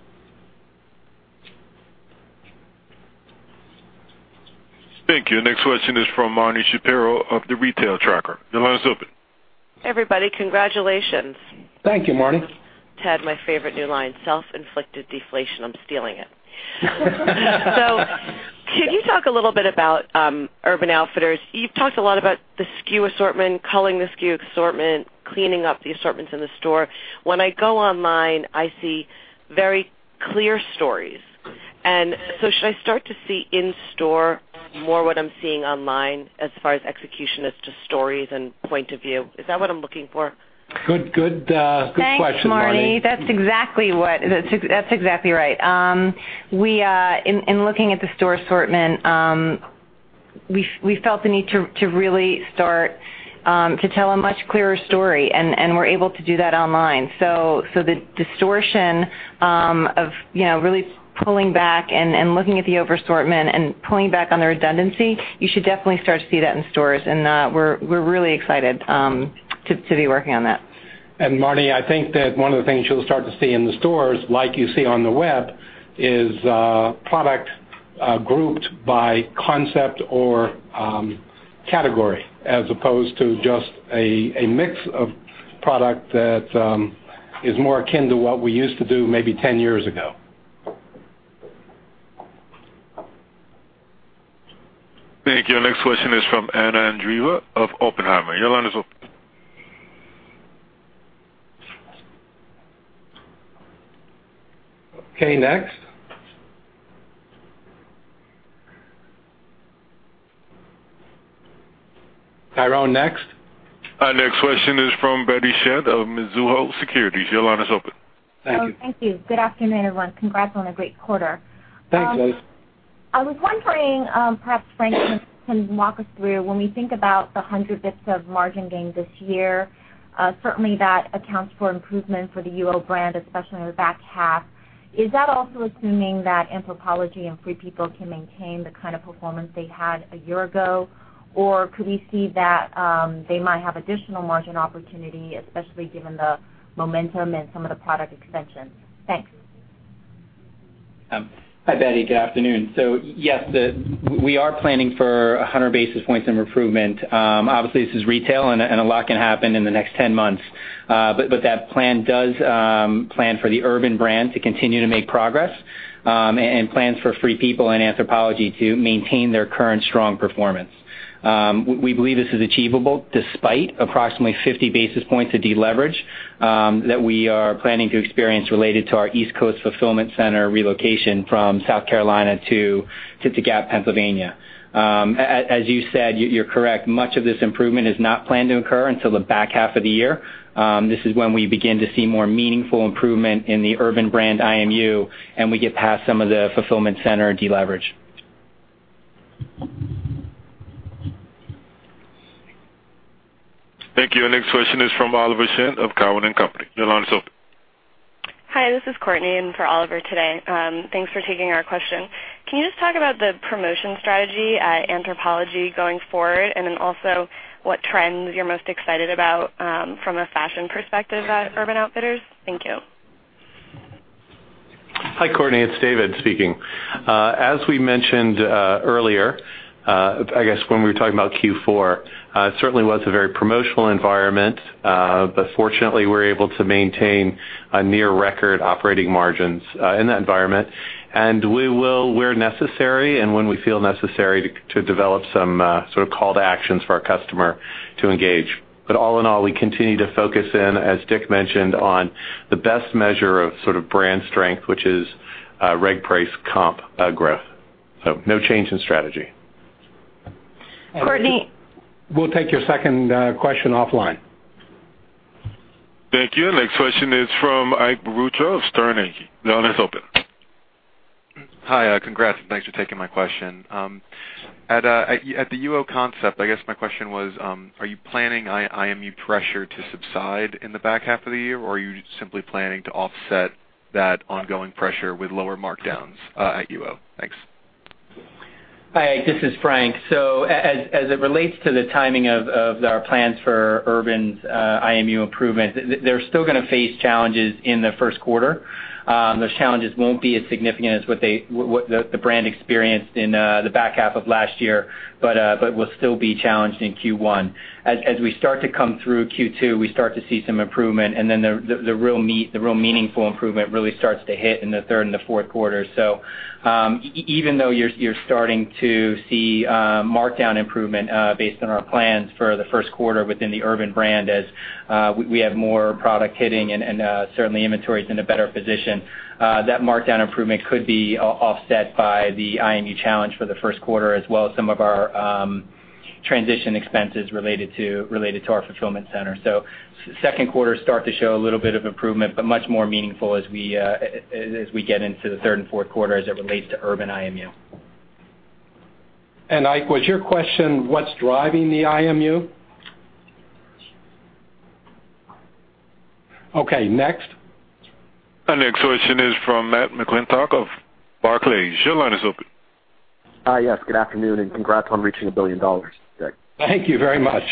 Next question is from Marni Shapiro of The Retail Tracker. Your line is open. Hey, everybody. Congratulations. Thank you, Marni. Ted, my favorite new line, self-inflicted deflation. I'm stealing it. Can you talk a little bit about Urban Outfitters? You've talked a lot about the SKU assortment, culling the SKU assortment, cleaning up the assortments in the store. When I go online, I see very clear stories. Should I start to see in store more what I'm seeing online as far as execution as to stories and point of view? Is that what I'm looking for? Good question, Marni. Thanks, Marni. That's exactly right. In looking at the store assortment, we felt the need to really start to tell a much clearer story, and we're able to do that online. The distortion of really pulling back and looking at the over-assortment and pulling back on the redundancy, you should definitely start to see that in stores, and we're really excited to be working on that. Marni, I think that one of the things you'll start to see in the stores, like you see on the web, is product grouped by concept or category, as opposed to just a mix of product that is more akin to what we used to do maybe 10 years ago. Thank you. Next question is from Anna Andreeva of Oppenheimer. Your line is open. Okay, next. Tyrone, next. Next question is from Betty Chen of Mizuho Securities. Your line is open. Thank you. Thank you. Good afternoon, everyone. Congrats on a great quarter. Thanks, Betty. I was wondering, perhaps Frank can walk us through when we think about the 100 basis points of margin gain this year, certainly that accounts for improvement for the UO brand, especially in the back half. Is that also assuming that Anthropologie and Free People can maintain the kind of performance they had a year ago? Could we see that they might have additional margin opportunity, especially given the momentum and some of the product extensions? Thanks. Hi, Betty. Good afternoon. Yes, we are planning for 100 basis points in improvement. Obviously, this is retail and a lot can happen in the next 10 months. That plan does plan for the Urban brand to continue to make progress and plans for Free People and Anthropologie to maintain their current strong performance. We believe this is achievable despite approximately 50 basis points of deleverage that we are planning to experience related to our East Coast fulfillment center relocation from South Carolina to Gap, Pennsylvania. As you said, you're correct. Much of this improvement is not planned to occur until the back half of the year. This is when we begin to see more meaningful improvement in the Urban brand IMU, and we get past some of the fulfillment center deleverage. Thank you. Our next question is from Oliver Chen of Cowen and Company. Your line is open. Hi, this is Courtney in for Oliver today. Thanks for taking our question. Can you just talk about the promotion strategy at Anthropologie going forward? Then also what trends you're most excited about from a fashion perspective at Urban Outfitters? Thank you. Hi, Courtney. It's David speaking. As we mentioned earlier, I guess when we were talking about Q4, it certainly was a very promotional environment. Fortunately, we were able to maintain a near record operating margins in that environment. We will, where necessary and when we feel necessary to develop some sort of call to actions for our customer to engage. All in all, we continue to focus in, as Dick mentioned, on the best measure of sort of brand strength, which is reg price comp growth. No change in strategy. Courtney- We'll take your second question offline. Thank you. Next question is from Ike Boruchow, Sterne Agee. Your line is open. Hi. Congrats, thanks for taking my question. At the UO concept, I guess my question was, are you planning IMU pressure to subside in the back half of the year, are you just simply planning to offset that ongoing pressure with lower markdowns at UO? Thanks. Hi, Ike. This is Frank. As it relates to the timing of our plans for Urban's IMU improvements, they're still going to face challenges in the first quarter. Those challenges won't be as significant as what the brand experienced in the back half of last year, but we'll still be challenged in Q1. As we start to come through Q2, we start to see some improvement, the real meaningful improvement really starts to hit in the third and the fourth quarter. Even though you're starting to see markdown improvement based on our plans for the first quarter within the Urban brand, as we have more product hitting and certainly inventory's in a better position, that markdown improvement could be offset by the IMU challenge for the first quarter, as well as some of our transition expenses related to our fulfillment center. Second quarter start to show a little bit of improvement, much more meaningful as we get into the third and fourth quarter as it relates to Urban IMU. Ike, was your question what's driving the IMU? Okay, next. Our next question is from Matt McClintock of Barclays. Your line is open. Yes. Good afternoon, congrats on reaching $1 billion today. Thank you very much.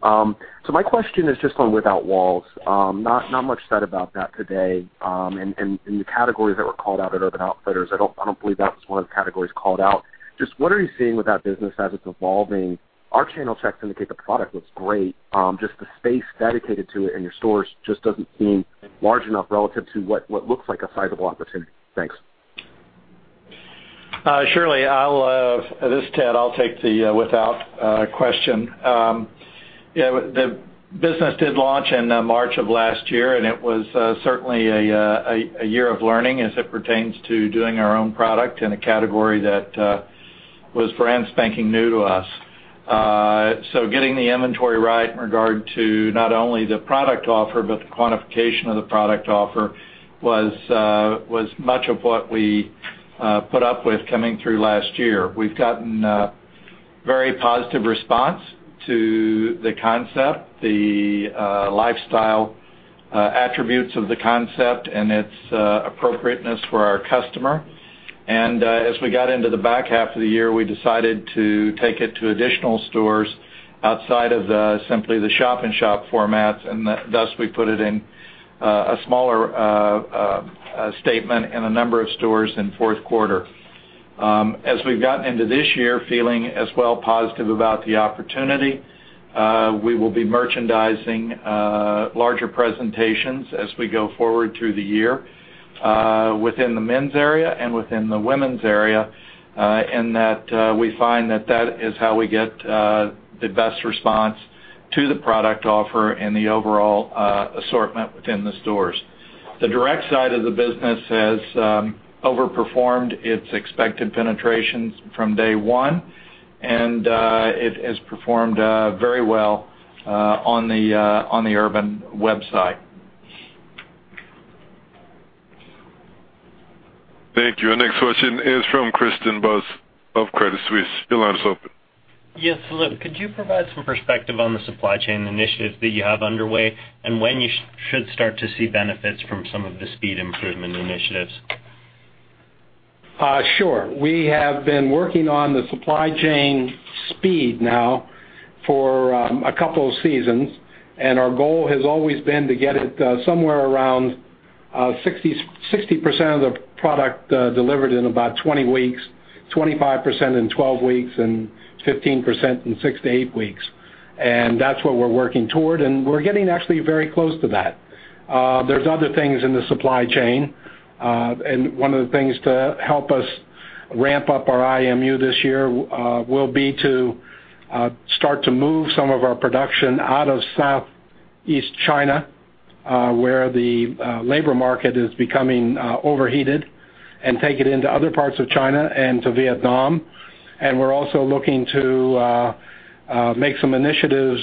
My question is just on Without Walls. Not much said about that today. The categories that were called out at Urban Outfitters, I don't believe that was one of the categories called out. What are you seeing with that business as it's evolving? Our channel checks indicate the product looks great. The space dedicated to it in your stores just doesn't seem large enough relative to what looks like a sizable opportunity. Thanks. Surely. This is Ted. I'll take the Without question. The business did launch in March of last year. It was certainly a year of learning as it pertains to doing our own product in a category that was brand spanking new to us. Getting the inventory right in regard to not only the product offer, but the quantification of the product offer, was much of what we put up with coming through last year. We've gotten a very positive response to the concept, the lifestyle attributes of the concept, and its appropriateness for our customer. As we got into the back half of the year, we decided to take it to additional stores outside of simply the shop-in-shop formats. Thus we put it in a smaller statement in a number of stores in the fourth quarter. We've gotten into this year feeling as well positive about the opportunity. We will be merchandising larger presentations as we go forward through the year within the men's area and within the women's area, in that we find that that is how we get the best response to the product offer and the overall assortment within the stores. The direct side of the business has overperformed its expected penetrations from day one. It has performed very well on the Urban website. Thank you. Our next question is from Christian Buss of Credit Suisse. Your line is open. Yes. Could you provide some perspective on the supply chain initiatives that you have underway and when you should start to see benefits from some of the speed improvement initiatives? Sure. We have been working on the supply chain speed now for a couple of seasons, our goal has always been to get it somewhere around 60% of the product delivered in about 20 weeks, 25% in 12 weeks, and 15% in six to eight weeks. That's what we're working toward, and we're getting actually very close to that. There's other things in the supply chain. One of the things to help us ramp up our IMU this year will be to start to move some of our production out of Southeast China, where the labor market is becoming overheated, and take it into other parts of China and to Vietnam. We're also looking to make some initiatives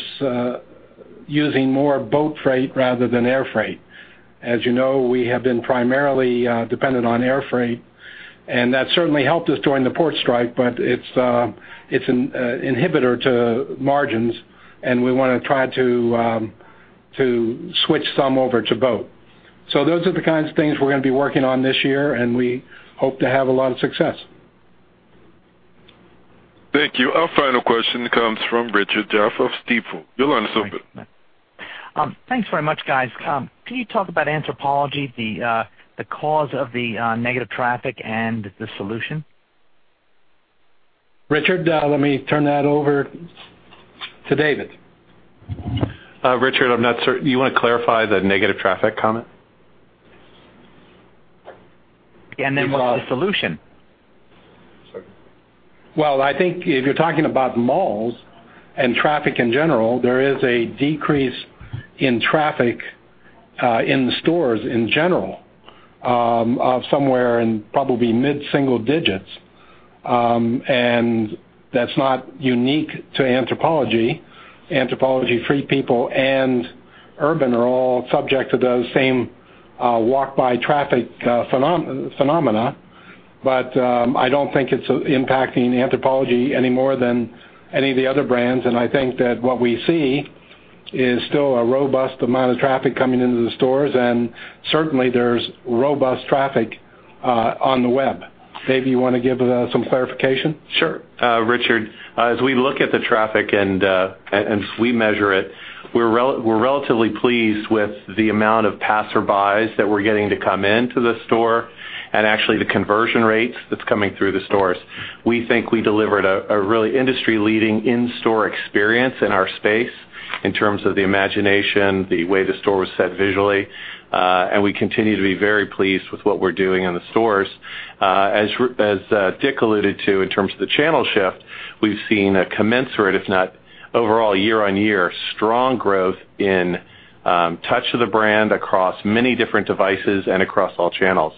using more boat freight rather than air freight. As you know, we have been primarily dependent on air freight, and that certainly helped us during the port strike, but it's an inhibitor to margins, and we want to try to switch some over to boat. Those are the kinds of things we're going to be working on this year, and we hope to have a lot of success. Thank you. Our final question comes from Richard Jaffe of Stifel. Your line is open. Thanks very much, guys. Can you talk about Anthropologie, the cause of the negative traffic, and the solution? Richard, let me turn that over to David. Richard, I'm not certain. Do you want to clarify the negative traffic comment? What was the solution? I think if you're talking about malls and traffic in general, there is a decrease in traffic in the stores in general of somewhere in probably mid-single digits. That's not unique to Anthropologie. Anthropologie, Free People, and Urban are all subject to those same walk-by traffic phenomena. I don't think it's impacting Anthropologie any more than any of the other brands, I think that what we see is still a robust amount of traffic coming into the stores, and certainly, there's robust traffic on the web. Dave, you want to give some clarification? Sure. Richard, as we look at the traffic, and as we measure it, we're relatively pleased with the amount of passerbys that we're getting to come into the store and actually the conversion rates that's coming through the stores. We think we delivered a really industry-leading in-store experience in our space in terms of the imagination, the way the store was set visually. We continue to be very pleased with what we're doing in the stores. As Dick alluded to in terms of the channel shift, we've seen a commensurate, if not overall year-on-year strong growth in touch to the brand across many different devices and across all channels.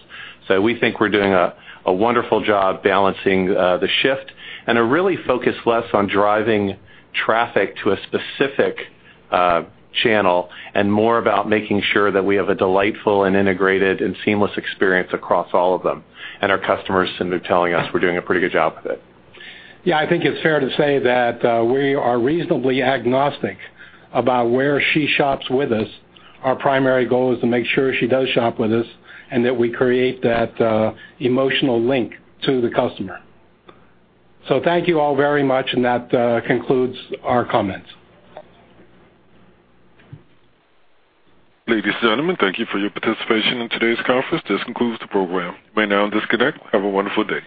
We think we're doing a wonderful job balancing the shift and are really focused less on driving traffic to a specific channel and more about making sure that we have a delightful and integrated and seamless experience across all of them. Our customers seem to be telling us we're doing a pretty good job with it. Yeah, I think it's fair to say that we are reasonably agnostic about where she shops with us. Our primary goal is to make sure she does shop with us and that we create that emotional link to the customer. Thank you all very much, and that concludes our comments. Ladies and gentlemen, thank you for your participation in today's conference. This concludes the program. You may now disconnect. Have a wonderful day.